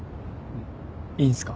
いいんすか？